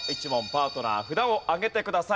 パートナー札を上げてください。